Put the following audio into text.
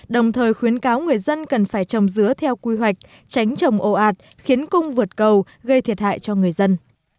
đồng thời khuyến cáo người dân cần phải trồng dứa theo quy hoạch tránh trồng ồ ạt khiến cung vượt cầu gây thiệt hại cho người dân